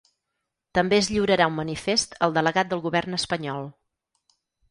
També es lliurarà un manifest al delegat del govern espanyol.